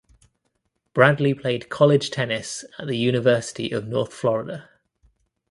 Bradley played college tennis at the University of North Florida.